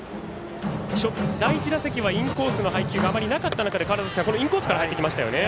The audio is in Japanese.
第１打席はインコースの配球があまりなかった中でインコースから入ってきましたよね。